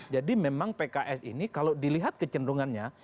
jadi memang pks ini kalau dilihat kecenderungannya